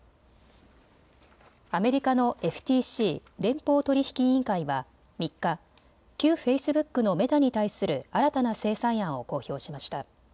アメリカのＦＴＣ・連邦取引委員会は３日、旧フェイスブックのメタに対する新たな制裁案を公表しました。